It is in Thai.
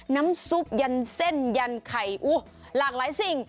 น้ำซุปยันเส้นยันไข่อู้หลากหลายสิ่ง